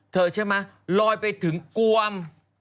ใช่ไหมลอยไปถึงกวม